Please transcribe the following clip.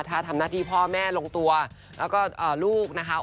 ถ้าทำหน้าที่พ่อแม่ลงตัวแล้วก็ลูกนะคะ